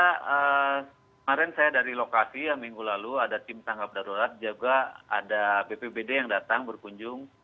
kemarin saya dari lokasi yang minggu lalu ada tim tanggap darurat juga ada bpbd yang datang berkunjung